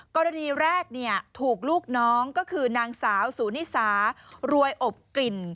กรณีแรกถูกลูกน้องก็คือนางสาวสูนิสารวยอบกลิ่น